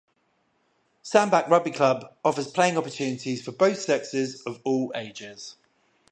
Sandbach Rugby Club offers playing opportunities for both sexes of all ages.